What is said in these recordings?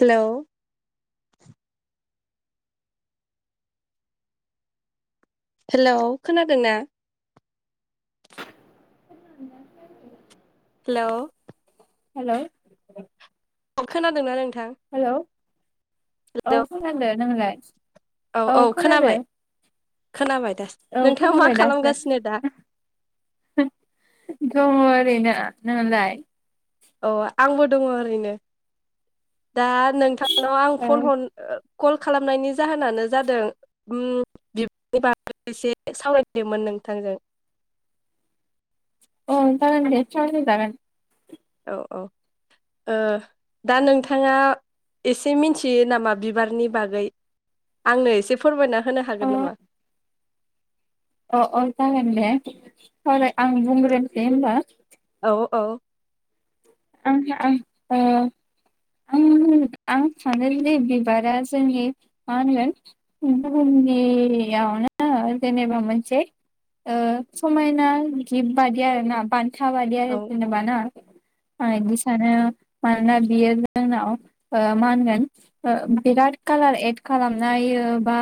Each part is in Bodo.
हेलौ हेलौ खोनादों ना? [unintelligible] हेलौ हेल' खोनादोंना नों हेलौ औ फैनांगो नोंलाय। औ औ खोनाबाय खोनाबाय दा औ नोंथाङा मा खोनाबाय दासो खालामगासिनो दा? बेनो नोंलाय अ आंबो दङ ओरैनो। दा नोंथांनाव आं औ फन हर कल खालामनायनि जाहोनानो जादों उम बिबनि बागै एसे सावरायनोमोन नोंथांजों। औ जागोन दे [unintelligible] जागोन औ औ ओ दा नोंथाङा एसे मिथियो नामा बिबारनि बागै, आंनो एसे फोरमायना होनो अ हागोन नामा? अ अ जागोनदे देलाय आं बुंग्रोनि दे होनबा? औ औ आंहा आं ओ आं आं सानो जि बिबारा जोंनि मा होनगोन बुहुमनियावनो जेनेबा मोनसे ओ समायना गिफ्ट बादि आरोना बान था बादि औ आरो जेनबा ना आं इदि सानो मानोना बियो जोंनाव ओ मा होनगोन बिराद कालार एड खालामना होयो बा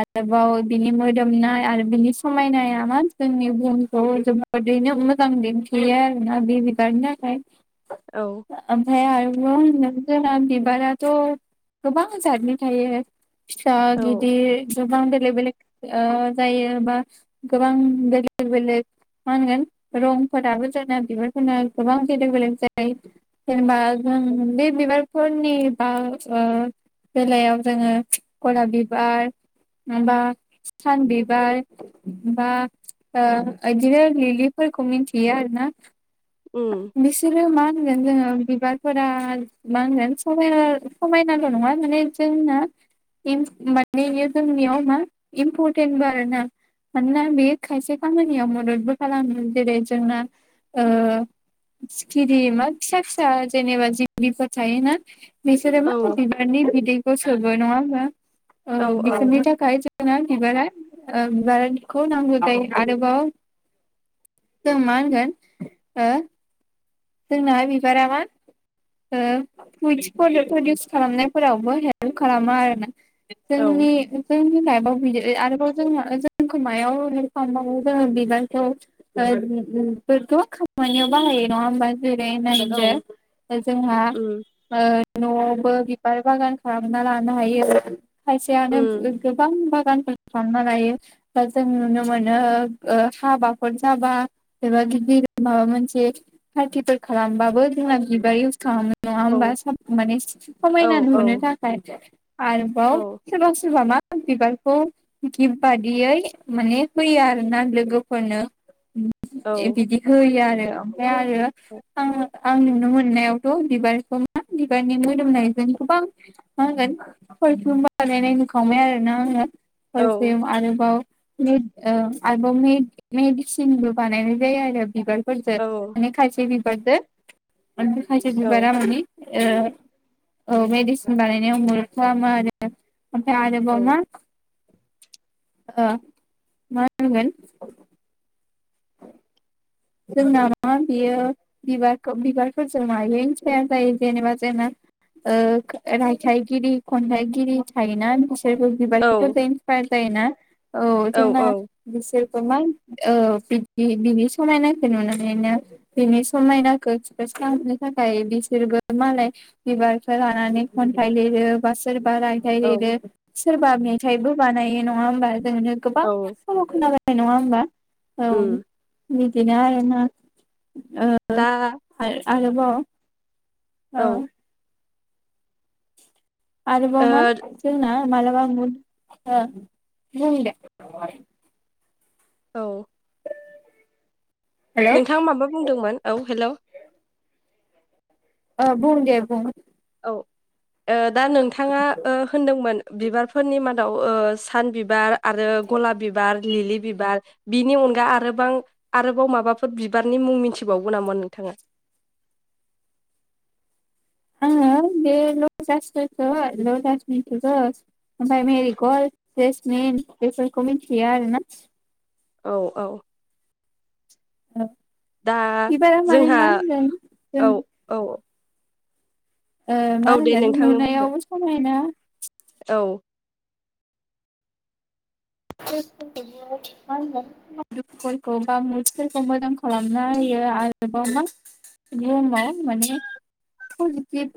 आरोबाव बिनि मोदोमनाय आरो बिनि समायनाया मा जोंनि बुहुमखौ जोबोरैनो मोजां दिन्थियो आरोना बे बिबारनि थाखाय औ ओमफाय आरो न'आव होन जोंना बिबाराथ गोबां जादनि थायो। फिसा औ गिदिर गोबां बे बेलेक बेलेग ओ जायो बा गोबां बेलेग बेलेग मा होनगोन रंफोराबो जोंना बिबारफोरना गोबां बेलेग बेलेग जायो जेनेबा जों बे बिबारफोरनि बा ओ बेलायाव जोंङो गलाब बिबार बा सान बिबार बा ओ बिदिनो लिलिफोरखौ मिथियो आरोना । उम बिसोरो मा होनगोन जोङो बिबारफोरा मा होनगोन समायना समायनाल' नङा माने जोंना इम माने बेयो जोंनियाव मा इम्परटेन्टबो आरोना मानोना बे खायसे खामानियाव मददबो खालामो जेरै जोंना ओ सिखिरि मा फिसा फिसा जेनेबा जिनबख्रिफोर थायोना बिसोरो औ मा बिबारनि बिदै गावसोरबो नङा होमबा? औ बिसोरनि थाखाय जोङो बिबारा ओ बिबारखौ नांगौ जायो आरोबाव जों मा होनगोन हो जोंना बिबारा मा ओ प्रुतस प्रडाक प्रडिउस खालामनायफोरावबो हेल्प खालामो आरोना। औ जोंनि जोंनि लाइफआव बियो आरोबाव जों जोंखौ मायाव [inaudible] जोङो बिबारखौफोरखौ ओ बिफोरखौ खामानियाव बाहायो नङा होमबा? जेरै औ [inaudible] जोंहा उम ओ नआवबो बिबार बागान खालामना लानो हायो खायसेआनो उम गोबां बा फानफोर खालामना लायो बा जों नुनो मोनो ओ हाबाफोर जाबा एबा गिदिर माबा मोनसे पार्टिफोर खालामबाबो जोंना बिबार इउस खालामो। नङा होमबा औ साब माने औ समायना औ नुहुनो थाखाय औ आरोबाव सोरबा सोरबा मा? बिबारखौ गिफ बादियै माने होयो आरो ना लोगोफोरनो उम ए औ बिदिखौ होयो आरो ओमफ्राय आरो आं आं नुनो मोननायावथ बिबारखौ मा बिबारनि मोदोमनायजों गोबां मा होगोन [unintelligible] बानायनाय नुखाबाय आरोना आङो। औ पारफिउम आरोबाव मेड ओ आरोबाव मेड-मेड-मेडिसिनबो बानायनाय जायो आरो बिबार फोरजो औ माने हेपि बारदे आरो खायसे बिबार मानि ओ औ मेडिसिन बानायनायाव मखो आरो ओमफ्राय आरोबाव मा ओ माहोनगोन जोंना मा बियो बिबार बिबारफोरजों मायो थाया जायो जेनेबा जोंना रायथाइगिरि खन्थाइगिरि थायोना बेफोर बिबारखौ औ फोथायनो जायो ना? औ जोंना औ बिसोर [unintelligible] समायनाखौ नुनानैनो बिनि समायनाखौ एक्सप्रेस खालामनो थाखाय बिसोरबो मालाय बिबारखौ लानानै खन्थाइ लिरो बा सोर बा रायथाइ औ लिरो। सोरबा मेथाइबो बानायो नङा होमबा नो गोबां औ सल खोना नङा होमबा? औ उम बिदिनो आरोना ओ दा आरोबाव औ आरोबाव मा जोंना मालाबा [unintelligible] औ हेलौ नोंथाङा माबा बुंदोंमोन औ हेलौ। ओ बुं दे बुं। औ ओ दा नोंथाङा ओ होनदोंमोन बिबारफोरनि मादाव ओ सान बिबार आरो गलाब बिबार लिलि बिबार बिनि अनगा आरोबां आरोबाव माबाफोर बिबारनि मुं मिन्थिबावगौ नामा नोंथाङा? आंङो बे [unintelligible] ओमफ्राय मेरि गल्द जेसमिन बेफोरखौ मिथियो आरोना। औ औ। [unintelligible] दा बिबारा माने जोंहा मा होनगोन जों औ औ। ओ मा औ दे होनगोन नुनायाव समायना। औ। [unintelligible] दुखुफोरखौ बा मुटफोरखौ मोजां खालामना होयो आरोबाव मा बुहुमाव माने पजिटिभ।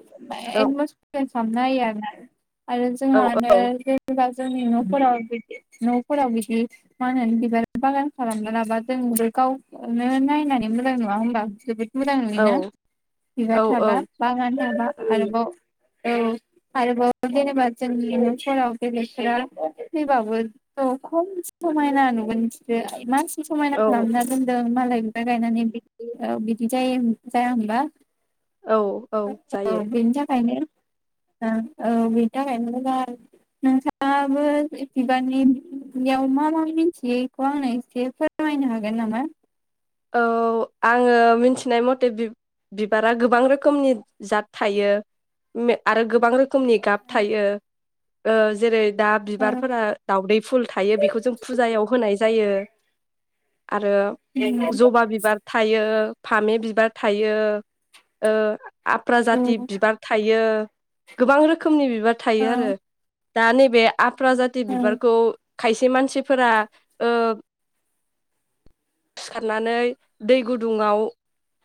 औ [unintelligible] [unintelligible] आरो जों औ मानो जेनबा सा जोंनि नफोराव इबायदि न'फोराव बिदि मा होनो बिबार बागान खालामना लाबा जोंबो गावखोनो नायनानै मोजां नुङा होमबा जोबोद मोजां औ नुयोना औ बिबार औ थाबा बागान थाबा उम आरोबाव औ आरोबाव जेनेबा जोंनि न' सेराव बेलेगफोरा फैबाव गोन औ खम समायना नुगोन बिसोरो समायना औ खालामना दोनदों मालाय बिबार गायनानै बिदि ओ बिदि जायो जाया होमबा। औ औ औ जायो बेनि थाखायनो ओं औ बिनि थाखायनो मोजां नोंथाङाबो बे बिबारनि इयाव मा मा मिन्थियो इखौ आंनो एसे फोरमायनो हागोन नामा औ आङो मिन्थिनाय मते बिब-बिबारा गोबां रोखोमनि जात थायो उम मे आरो गोबां रोखोमनि गाब थायो ओ जेरै दा बिबारफोरा दाउदै फुल थायो बेखौ जों फुजायाव होनाय जायो आरो ओमफ्राय जबा बिबार थायो फामे बिबार थायो ओ आफ्रा जाति बिबार थायो । गोबां रोखोमनि बि बिबार थायो आरो। दा नैबे आफ्राजाथि बिबारखौ। खायसे मानसिफोरा ओ सिखारनानै दै गुदुङाव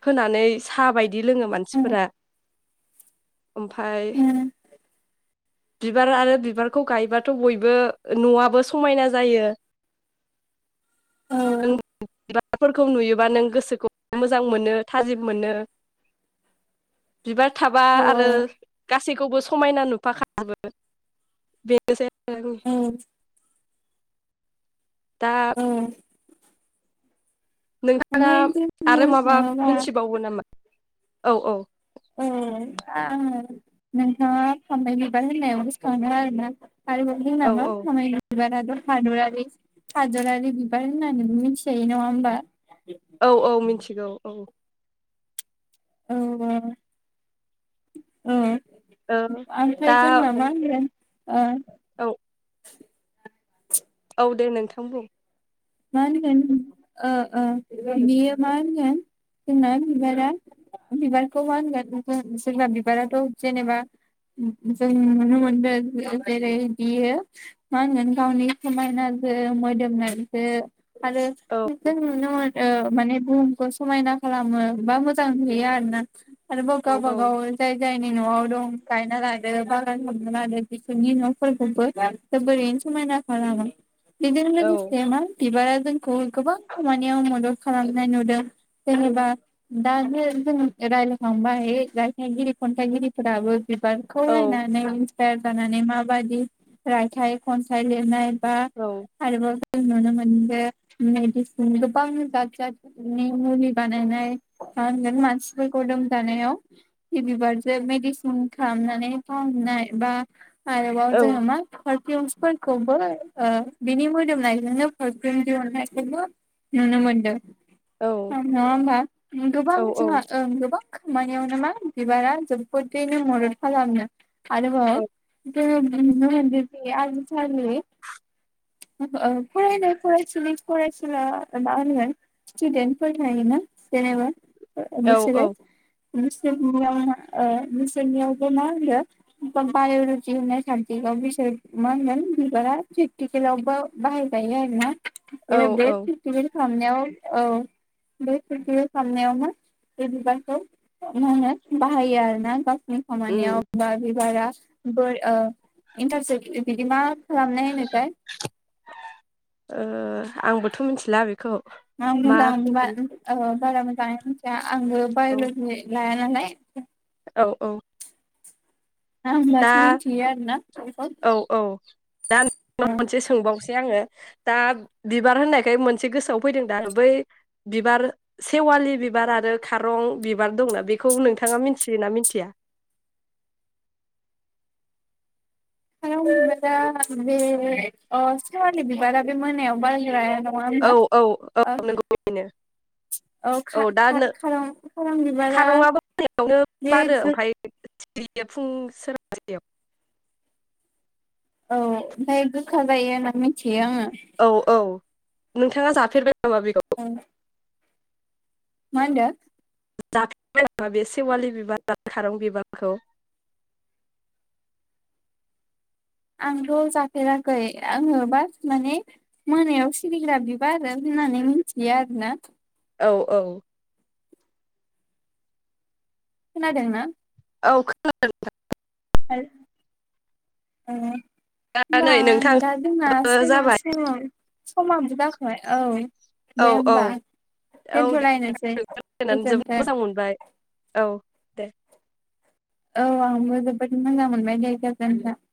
होनानै सा बाय दि लोङो मानसिफोरा। ओमफाय। बिबार आरो बिबारखौ गायबाथ बयबो नआबो समायना जायो । [unintelligible] बिबारफोरखौ नुयोबा नों गोसोखौ मोजां मोनो थाजिम मोनो बिबार थाबा आरो गासैखौबो समायना नुफाखाजोबो बेनोसै आरो औ दा नोंथाङा जों बुंनो आरो माबा थाङोबा मोनथिबावो नामा? औ औ ओ थारैनो नोंथाङा फामे बिबार गोसो खांदों आरोना। आरोबाव औ जोंनामा औ [unintelligible] हादरारि हादरारि बिबार होननानै मिथिजायो नङा होमबा। औ औ मिथिगौ। औ औ ओ ओ। ओ आमफाय दा जोंहा मा होनगोन ओ औ। औ दे नोंथां बुं। मा होनगोन ओ ओ बियो मा होनगोन जोंना बिबारा बिबारखौ मा होनगोन सोरबा बिबाराथ' जेनेबा जों नुनो मोनदों जेरै बियो मा होनगोन गावनि समायनाजों मोदोमनाय रो आरो औ जों नुनो मोन ओ माने बुहुमखौ समायना खालामो बा मोजां नुयो आरो ना। आरो औ गावबा औ गाव जाय जाय जोंनि न'आव दं गायना लादों बागान हाबना लादों बिसोरनि न'फोरखौबो जोबोरैनो समायना खालामो। बेजों औ लोगोस बिबारा जोंखौ गोबां खामानियाव मदद खालामनाय नुदों जेनेबा दानि जों रायलायखांबाय रायथाइगिरि खन्थाइगिरिफोराबो बिबारखौ नानै [unintelligible] जानानै माबादि रायथाइ खन्थाइ लिरनाय बा औ आरोबाव जों नुनो मोनदों मेदिसिन गोबां जाद जादनि मुलि बानायनाय मा होनगोन मानसिफोरखौ लोमजानायाव बे बिबारजों मेडिसिन खालामनानै फाहामनाय बा आरोबाव औ जोङो मा पारफिउम्स फोरखौबो ओ बिनि मोदोमनाय जोंनो पारफिउम दिहुननायखौबो नुनो मोन्दों। नङा होमबा गोबां औ जोंहा ओं गोबां खामानियावनो मा बिबारा जोबोदैनो मदद खालामो। आरोबाव जोङो [unintelligible] फरायनाय फरायसुलि फरायसुला मा होनो स्टुडेन्टफोर थायोना जेनेबा ओ ओ औ बिसोरो बिसोरनियाव मा ओ बिसोरनियावबो मा होनो बा-बाय'लजि होननाय साबजेक्टआव बिसोर मा होनगोन बिबारा प्रेकटिकेलाव बा-बाहाय जायो आरोना। औ औ [unintelligible] खालामनायाव औ बे प्रेक्टिकेल खालामनायावनो बे बिबारखौ मा होनो बाहायो आरोना गाव नि खानियाव उम बा बिबारा बोर ओ इन्टार सो खि बिदि मा खालामनाय होनोथाय? ओ आंबोथ' मिथिला बेखौ [unintelligible] मा होनगोन बारा मोजाङै [unintelligible] आंबो औ बाय'ल'जि ला [unintelligible] औ औ दा आं मास मोनथियो आरोना। औ दा नोंनाव ओ मोनसे सोंबाव से आङो दा बिबार होननायखाय मोनसे गोसोआव फैदों दा बै बिबार सेवालि बिबार आरो खारं बिबार दंना बेखौ नोंथाङा मिथियोना मिथिया? [unintelligible] नङा होनबा? औ औ औ ओ नंगौ बेनो औ दा नो खा-खा-खारं खारं बिबारा खारंआबो मोनायावनो जि बारो गो ओमफ्राय सिरियो फुं सोरांसेआव। औ ओमफ्राय गोखा जायो होना मिथि औ औ। नोंथाङा जाफेरबाय नामा बे ओं मा होनदो? जा [unintelligible] नामा बे सेवालि बिबार आरो खारं बिबारखौ? आंथ' जाफेराखै आङो बास माने मोनायाव सिरिग्रा बिबार होननानै मिथियो आरोना। औ औ खोनादोंना? औ खोना [unintelligible] होनबा खोनानै नोंथां दा दोना सोरबा जाबाय समाव सम'आबो जाखाबाय औ। औ दे औ होमबा औ दे नोंथां दोनथ'लायनोसै राइज्लानानै जोबोद गोजोनथों मोजां मोनबाय औ। दे। औ आंबो जोबोद मोजां मोनबाय दे गोजोनथों ।